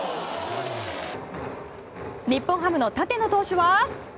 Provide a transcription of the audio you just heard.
日本ハムの立野投手は。